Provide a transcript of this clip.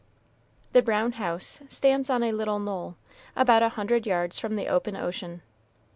The brown house stands on a little knoll, about a hundred yards from the open ocean.